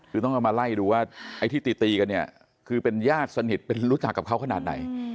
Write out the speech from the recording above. คือต้องเอามาไล่ดูว่าไอ้ที่ตีตีกันเนี่ยคือเป็นญาติสนิทรู้จักกับเขาขนาดไหน